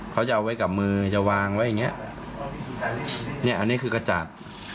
เขาจะเอาไว้กับมือจะวางไว้อย่างเงี้ยเนี่ยอันนี้คือกระจัด